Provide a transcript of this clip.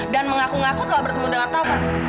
dan mengaku ngaku telah bertemu dengan taufan